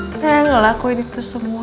saya ngelakuin itu semua